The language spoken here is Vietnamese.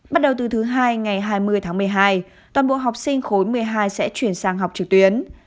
bắt đầu từ thứ hai ngày hai mươi tháng một mươi hai toàn bộ học sinh khối một mươi hai sẽ chuyển sang học trực tuyến